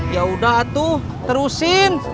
yaudah atuh terusin